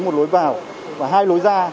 một lối vào và hai lối ra